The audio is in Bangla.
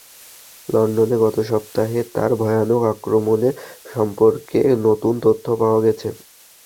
লন্ডনে গত সপ্তাহে তার ভয়ানক আক্রমণের সম্পর্কে নতুন তথ্য পাওয়া গেছে।